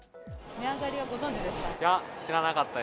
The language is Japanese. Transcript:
値上がりはご存じでした？